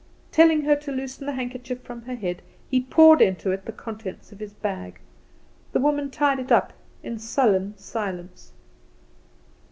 Telling her to loosen the handkerchief from her head, he poured into it the contents of his bag. The woman tied it up in sullen silence.